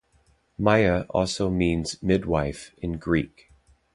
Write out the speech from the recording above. "Maia" also means "midwife" in Greek.